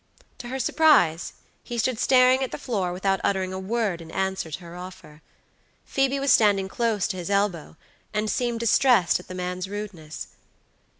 To her surprise he stood staring at the floor without uttering a word in answer to her offer. Phoebe was standing close to his elbow, and seemed distressed at the man's rudeness.